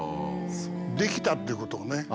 「できた」っていうことをね。